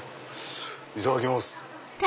いただきます。